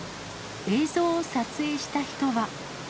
映像を撮影した人は。